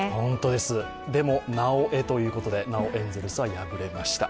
でも、なおえということで、エンゼルスは敗れました。